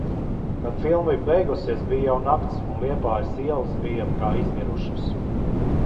Kad filma bija beigusies, bija jau nakts un Liepājas ielas bija kā izmirušas.